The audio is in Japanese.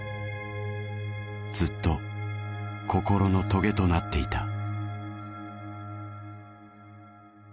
ずっと心のトゲとなっていた。